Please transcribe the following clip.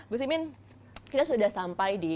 gus imin kita sudah sampai di